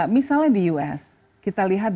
misalnya di us kita lihat